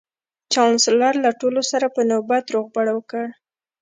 چانسلر له ټولو سره په نوبت روغبړ وکړ